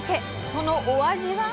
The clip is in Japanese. そのお味は？